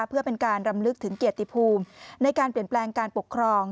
เพื่อเป็นการรำลึกถึงเกียรติภูมิในการเปลี่ยนแปลงการปกครอง